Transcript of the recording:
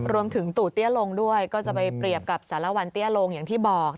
ตู่เตี้ยลงด้วยก็จะไปเปรียบกับสารวันเตี้ยลงอย่างที่บอก